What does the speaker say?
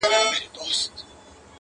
اوس د ماشوخېل زاړه خوبونه ریشتیا کېږي!.